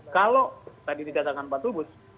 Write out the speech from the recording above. kalau tadi dikatakan pak tubus